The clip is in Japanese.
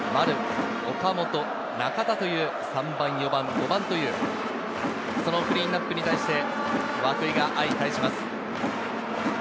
丸、岡本、中田という３番４番５番、そのクリーンナップに対して涌井が相対します。